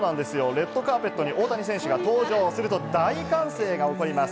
レッドカーペットに大谷選手が登場すると大歓声が起こります。